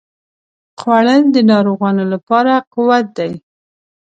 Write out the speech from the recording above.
خوړل د ناروغانو لپاره قوت دی